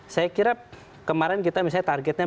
saya kira kemarin kita misalnya targetnya